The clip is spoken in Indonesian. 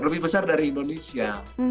lebih besar dari indonesia